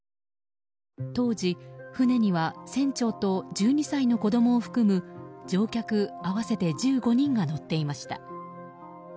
当時、船には船長と１２歳の子供を含む乗客合わせて１５人が乗っていました。